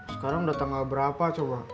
sekarang udah tanggal berapa coba